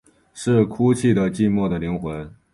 是哭泣的寂寞的灵魂